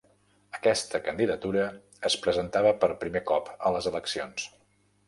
Aquesta candidatura es presentava per primer cop a les eleccions.